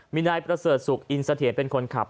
มีนายประเสริฐสุขอินเสถียรเป็นคนขับ